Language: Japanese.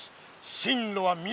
進路は南！